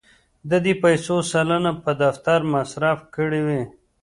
د دې پیسو سلنه په دفتر مصرف کړې وې.